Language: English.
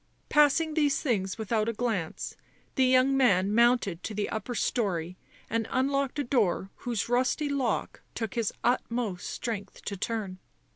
Passing these things without a glance the young man mounted to the upper storey and unlocked a door whose rusty lock took his utmost strength to turn.